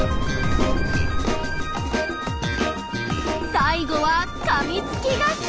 最後はかみつき合戦。